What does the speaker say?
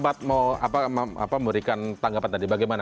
apakah benar demikian